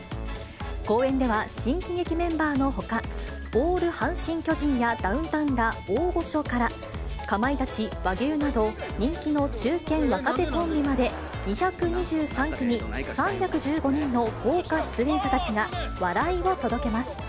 公演では、新喜劇メンバーのほか、オール阪神・巨人やダウンタウンら大御所から、かまいたち、和牛など、人気の中堅・若手コンビまで、２２３組３１５人の豪華出演者たちが笑いを届けます。